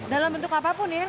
dalam bentuk apapun ya